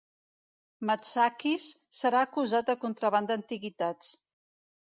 Matsakis serà acusat de contraban d'antiguitats.